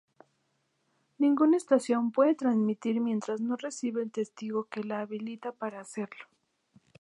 Ninguna estación puede transmitir mientras no recibe el testigo que la habilita para hacerlo.